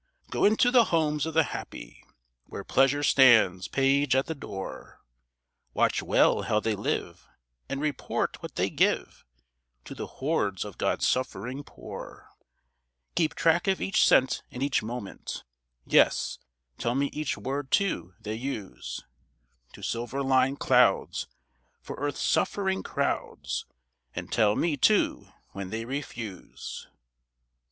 'Go into the homes of the happy Where pleasure stands page at the door. Watch well how they live, and report what they give To the hordes of God's suffering poor. Keep track of each cent and each moment; Yes, tell me each word, too, they use: To silver line clouds for earth's suffering crowds, And tell me, too, when they refuse.'